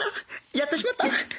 やってしまった！